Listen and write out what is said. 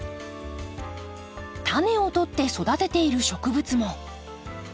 タネをとって育てている植物も。